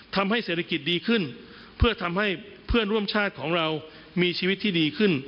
ทำให้เศรษฐกิจดีขึ้นเพื่อทำให้เพื่อนร่วมชาติของเรามีชีวิตที่ดีขึ้น